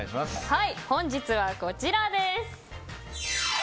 本日はこちらです。